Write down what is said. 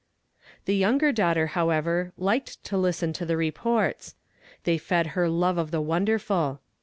The younger daughter, however, liked to listen to the reports ; they fed her love of tlie wonderful.